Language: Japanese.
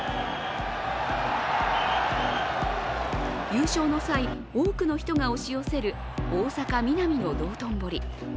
優勝の際、多くの人が押し寄せる大阪・ミナミの道頓堀。